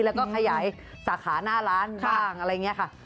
แล้วก็ขยายสาขาหน้าร้านบ้างอะไรอย่างนี้ค่ะ